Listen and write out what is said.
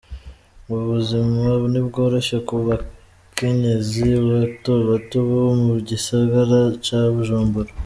Ubuzima ntibworoshe ku bakenyezi batobato bo mugisagara ca Bujumbura.